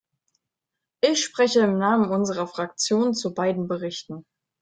Ich spreche im Namen unserer Fraktion zu beiden Berichten.